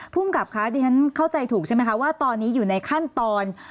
ผู้กรรมค่ะได้น่าเข้าใจถูกใช่ไหมว่าตอนนี้อยู่ในขั้นตอน